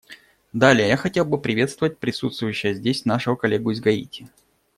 Далее, я хотел бы приветствовать присутствующего здесь нашего коллегу из Гаити.